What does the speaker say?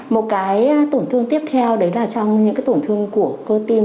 một tổn thương tiếp theo là trong những tổn thương của cơ tim